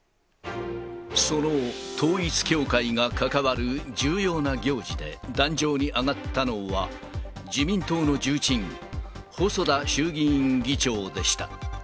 その統一教会が関わる重要な行事で壇上に上がったのは、自民党の重鎮、細田衆議院議長でした。